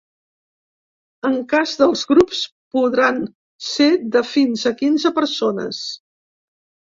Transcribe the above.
En cas dels grups, podran ser de fins a quinze persones.